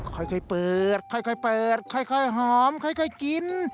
ค่อยค่อยเปิดค่อยค่อยเปิดค่อยค่อยหอมค่อยค่อยกิน